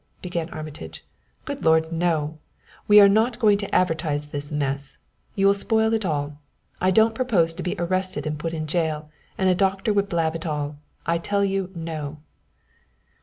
began Armitage. "Good Lord, no! We are not going to advertise this mess. You will spoil it all. I don't propose to be arrested and put in jail, and a doctor would blab it all. I tell you, no!"